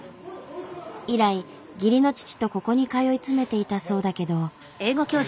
以来義理の父とここに通い詰めていたそうだけど。